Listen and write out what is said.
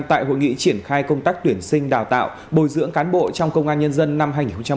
tại hội nghị triển khai công tác tuyển sinh đào tạo bồi dưỡng cán bộ trong công an nhân dân năm hai nghìn hai mươi ba